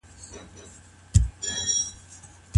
منځګړي بايد د چا تر منځ د روغي هڅي وکړي؟